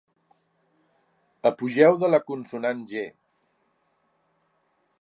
Apogeu de la consonant Ge.